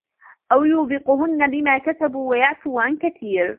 أَو يوبِقهُنَّ بِما كَسَبوا وَيَعفُ عَن كَثيرٍ